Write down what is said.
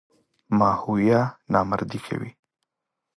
ماهویه نامردي کوي.